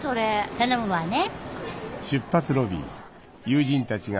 頼むわね。